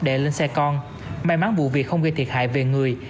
đè lên xe con may mắn vụ việc không gây thiệt hại về người